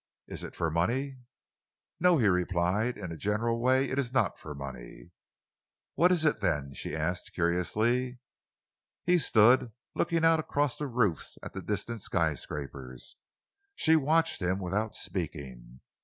Is it for money?" "No," he replied, "in a general way it is not for money." "What is it, then?" she asked curiously. He stood looking out across the roofs and at the distant skyscrapers. She watched him without speaking.